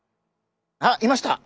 あっいました！